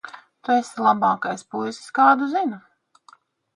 Tu esi labākais puisis, kādu zinu.